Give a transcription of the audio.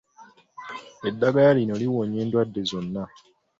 Eddagala lino liwonya endwadde zonna.